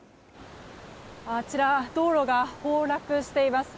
あちら道路が崩落しています。